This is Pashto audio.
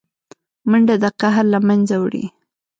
منډه د قهر له منځه وړي